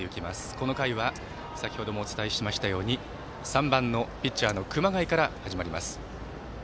この回は先ほどもお伝えしましたように３番のピッチャーの熊谷から始まります。